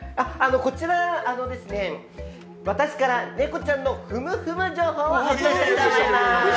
こちら、私からネコちゃんのふむふむ情報をお届けします。